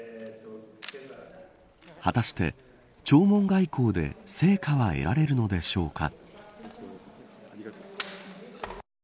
果たして弔問外交で成果は得られるのでしょうか。